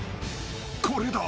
［これだ。